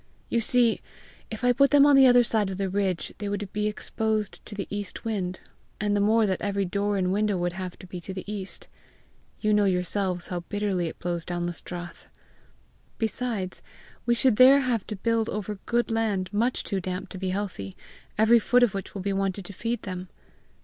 You see, if I put them on the other side of the ridge, they would be exposed to the east wind and the more that every door and window would have to be to the east. You know yourselves how bitterly it blows down the strath! Besides, we should there have to build over good land much too damp to be healthy, every foot of which will be wanted to feed them!